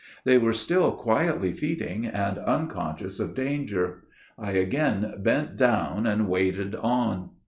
They were still quietly feeding, and unconscious of danger. I again bent down and waded on.